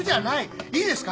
いいですか？